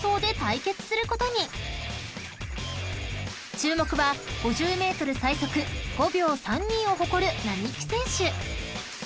［注目は５０ｍ最速５秒３２を誇る並木選手］